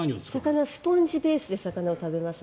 スポンジベースで魚に使います。